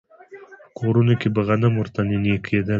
په کورونو کې به غنم ورته نينې کېدل.